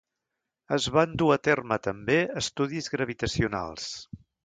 Es van dur a terme també estudis gravitacionals.